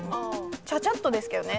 ちゃちゃっとですけどね。